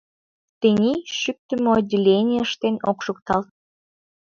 Тений шӱктымӧ отделений ыштен ок шукталт.